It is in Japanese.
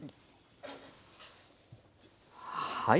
はい。